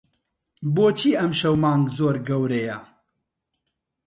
بۆچی ئەمشەو مانگ زۆر گەورەیە؟